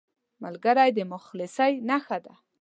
ملګری د مخلصۍ نښه ده